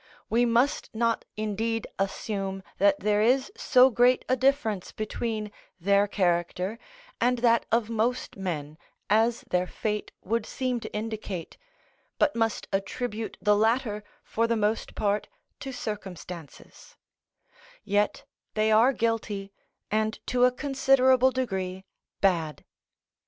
We must not indeed assume that there is so great a difference between their character and that of most men as their fate would seem to indicate, but must attribute the latter for the most part to circumstances; yet they are guilty and to a considerable degree bad.